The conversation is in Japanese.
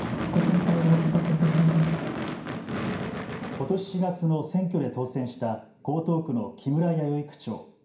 ことし４月の選挙で当選した江東区の木村弥生区長。